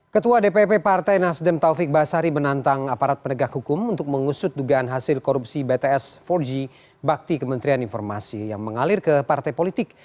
ketua dpp partai nasdem taufik basari menantang aparat penegak hukum untuk mengusut dugaan hasil korupsi bts empat g bakti kementerian informasi yang mengalir ke partai politik